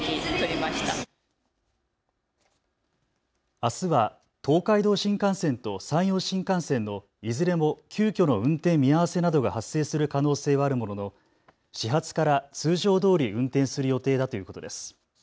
あすは東海道新幹線と山陽新幹線のいずれも急きょの運転見合わせなどが発生する可能性はあるものの始発から通常どおり運転する予定だということです。